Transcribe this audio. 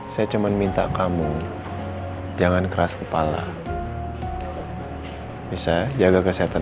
sampai jumpa di video selanjutnya